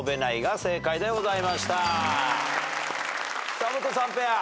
久本さんペア。